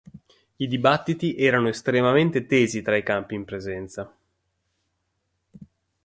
I dibattiti erano estremamente tesi tra i campi in presenza.